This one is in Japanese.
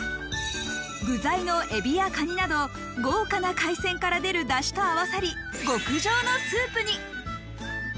具材のエビやカニなど、豪華な海鮮から出るダシと合わさり、極上のスープに。